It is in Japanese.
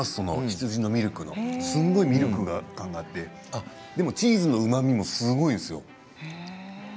素直に羊のミルクのすごいミルクがあってでもチーズのうまみもすごいんですよ。